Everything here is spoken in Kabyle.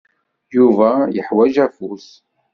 Yuba yeḥwaǧ afus.